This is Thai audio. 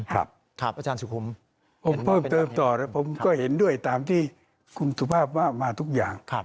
อาจารย์สุขุมผมเพิ่มเติมต่อแล้วผมก็เห็นด้วยตามที่คุณสุภาพว่ามาทุกอย่าง